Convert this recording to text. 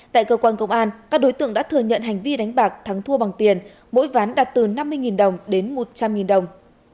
tại cơ quan công an các đối tượng đã thừa nhận hành vi đánh bạc thắng thua bằng tiền mỗi ván đạt từ năm mươi đồng đến một trăm linh đồng